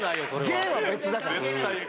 芸は別だから。